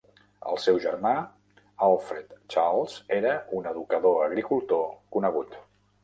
El seu germà Alfred Charles era un educador agricultor conegut.